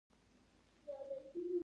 سپي ته سزا مه ورکوئ.